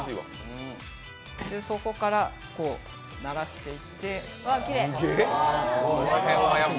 そこからならしていって。